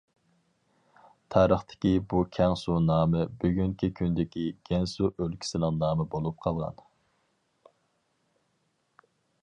تارىختىكى بۇ «كەڭ سۇ» نامى بۈگۈنكى كۈندىكى گەنسۇ ئۆلكىسىنىڭ نامى بولۇپ قالغان.